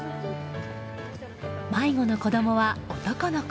迷子の子供は男の子。